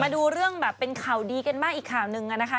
ดูเรื่องแบบเป็นข่าวดีกันบ้างอีกข่าวหนึ่งนะคะ